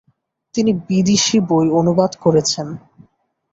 তিনি বিদেশি বই অনুবাদ করেছেন।